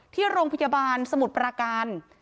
ที่โรงพยาบาลสมุทรปราการ